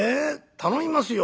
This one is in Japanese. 頼みますよ。